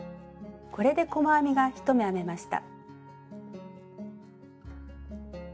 これで細編みが１目編めました。